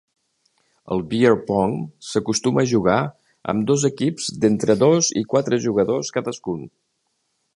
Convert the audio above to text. El beer pong s'acostuma a jugar amb dos equips d'entre dos i quatre jugadors cadascun.